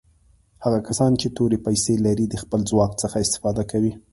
هغه کسان چې تورې پیسي لري د خپل ځواک څخه استفاده کوي.